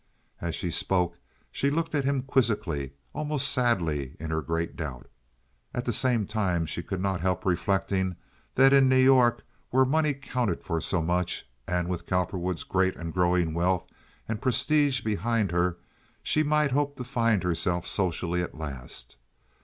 As he spoke she looked at him quizzically, almost sadly in her great doubt. At the same time she could not help reflecting that in New York where money counted for so much, and with Cowperwood's great and growing wealth and prestige behind her, she might hope to find herself socially at last.